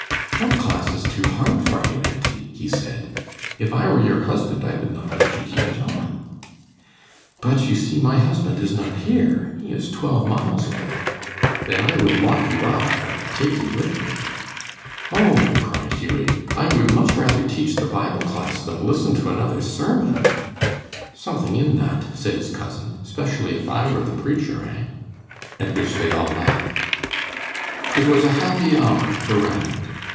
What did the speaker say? "That class is too hard for you, auntie," he said. "If I were your husband I would not let you keep it on." "But you see my husband is not here. He is twelve miles away." "Then I would lock you up, or take you with me." "Oh!" cried Hughie, "I would much rather teach the Bible class than listen to another sermon." "Something in that," said his cousin, "especially if I were the preacher, eh?" at which they all laughed. It was a happy hour for Ranald.